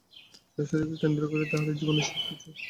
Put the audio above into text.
এই শরীরকে কেন্দ্র করিয়া তাহাদের জীবনের সব-কিছু।